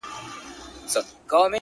• پر کومي لوري حرکت وو حوا څه ډول وه.